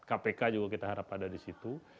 kpk juga kita harap ada di situ